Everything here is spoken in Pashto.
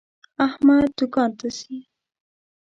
احمد دوکان ته ځي.